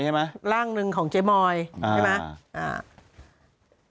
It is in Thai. แมวคือร่างหนึ่งของเจมาวยใช่มั้ย